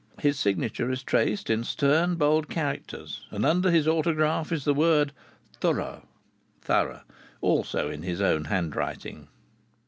His signature is traced in stern bold characters, and under his autograph is the word "Thuro" (thorough) also in his own handwriting.